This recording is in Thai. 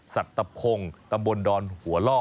สัตว์ตับคงตำบลดอนหัวล่อ